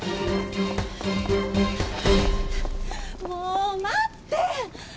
もう待って！